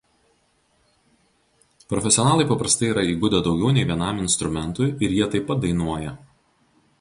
Profesionalai paprastai yra įgudę daugiau nei vienam instrumentui ir jie taip pat dainuoja.